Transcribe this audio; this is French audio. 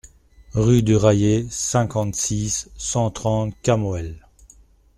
Rue du Raillé, cinquante-six, cent trente Camoël